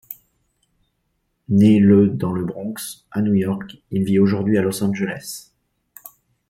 Né le dans le Bronx, à New York, il vit aujourd'hui à Los Angeles.